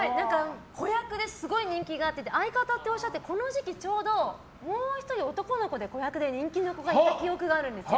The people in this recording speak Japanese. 子役で、すごい人気があって相方っておっしゃってこの時期ちょうどもう１人男の子で子役の人気の子がいた記憶があるんですよ。